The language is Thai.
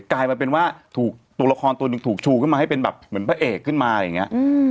กลายมาเป็นว่าถูกตัวละครตัวหนึ่งถูกชูขึ้นมาให้เป็นแบบเหมือนพระเอกขึ้นมาอะไรอย่างนี้